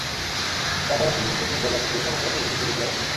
পাশাপাশি নিজ নিজ জায়গা থেকে এসব অপরাধের বিরুদ্ধে রুখে দাঁড়াতে হবে।